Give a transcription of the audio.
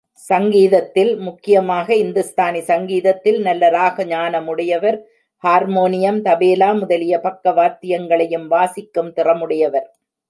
சங்கீதத்தில், முக்கியமாக இந்துஸ்தானி சங்கீதத்தில் நல்ல ராக ஞானமுடையவர் ஹார்மோனியம், தபேலா முதலிய பக்கவாத்தியங்களையும் வாசிக்கும் திறமுடையவர்.